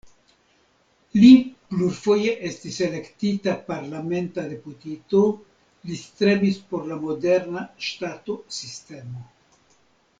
Li plurfoje estis elektita parlamenta deputito, li strebis por la moderna ŝtato-sistemo.